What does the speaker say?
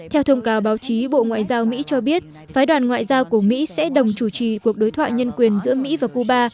theo thông cáo báo chí bộ ngoại giao mỹ cho biết phái đoàn ngoại giao của mỹ sẽ đồng chủ trì cuộc đối thoại nhân quyền giữa mỹ và cuba